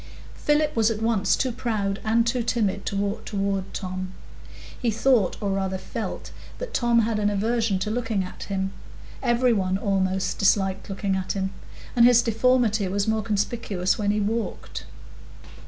Philip was at once too proud and too timid to walk toward Tom. He thought, or rather felt, that Tom had an aversion to looking at him; every one, almost, disliked looking at him; and his deformity was more conspicuous when he walked.